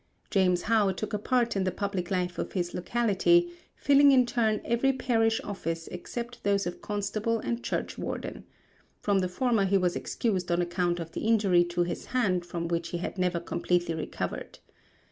James How took a part in the public life of his locality, filling in turn every parish office except those of Constable and Churchwarden. From the former he was excused on account of the injury to his hand from which he had never completely recovered.